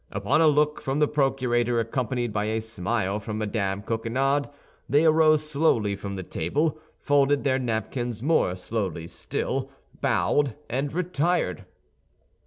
Upon a look from the procurator, accompanied by a smile from Mme. Coquenard, they arose slowly from the table, folded their napkins more slowly still, bowed, and retired.